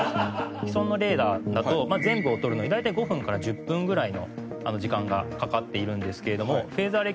既存のレーダーだと全部を取るのに大体５分から１０分ぐらいの時間がかかっているんですけれどもフェーズドアレイ